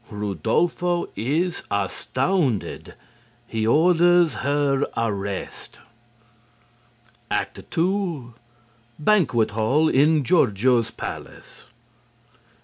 Rudolpho is astounded. He orders her arrest. ACT 2 _Banquet Hall in Gorgio's Palace.